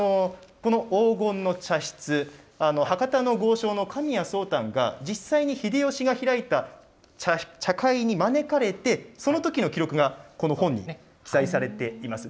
この黄金の茶室、博多の豪商のかみやそうたんが実際に秀吉が開いた茶会に招かれて、そのときの記録がこの本に記載されています。